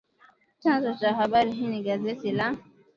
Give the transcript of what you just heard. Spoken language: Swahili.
Chanzo cha habari hii ni gazeti la